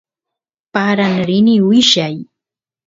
paran rini willay